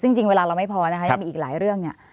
ซึ่งจริงเวลาเราไม่พอนะคะยังมีอีกหลายเรื่องเนี่ย